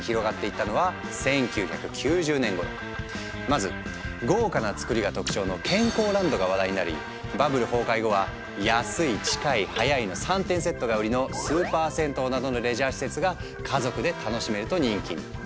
まず豪華な造りが特徴の健康ランドが話題になりバブル崩壊後は「安い近い早い」の３点セットが売りの「スーパー銭湯」などのレジャー施設が家族で楽しめると人気に。